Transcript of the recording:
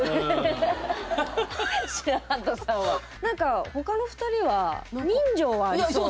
何か他の２人は人情はありそう。